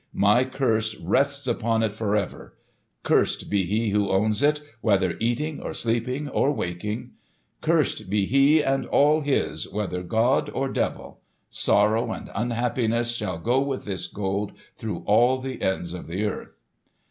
My curse rests upon it for ever. Cursed be he who owns it, whether eating or sleeping or waking. Cursed be he and all his, whether god or devil. Sorrow and unhappiness shall go with this Gold through all the ends of the earth!"